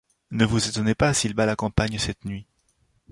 Ne vous étonnez pas s’il bat la campagne cette nuit.